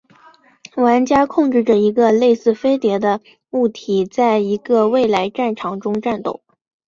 玩家控制着一个类似飞碟的物体在一个未来战场中战斗。